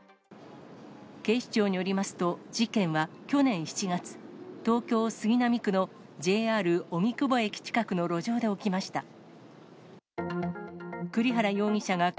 警視庁によりますと、事件は去年７月、東京・杉並区のＪＲ荻窪駅近くの路上で起きました。